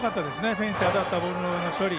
フェンスに当たったボールの処理。